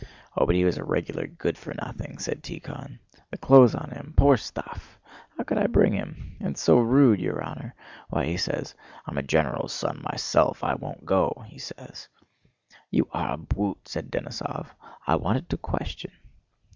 "Oh, but he was a regular good for nothing," said Tíkhon. "The clothes on him—poor stuff! How could I bring him? And so rude, your honor! Why, he says: 'I'm a general's son myself, I won't go!' he says." "You are a bwute!" said Denísov. "I wanted to question..."